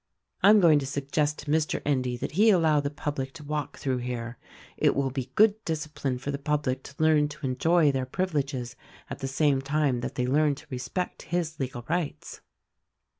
I am going to suggest to Mr. Endy that he allow THE RECORDING ANGEL 121 the public to walk through here; it will be good discipline for the people to learn to enjoy their privileges at the same time that they learn to respect his legal rights."